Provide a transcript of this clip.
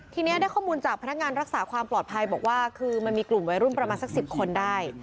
ทีนี้ได้ข้อมูลจากพนักงานรักษาความปลอดภัยบอกว่าคือมันมีกลุ่มวัยรุ่นประมาณสัก๑๐คนได้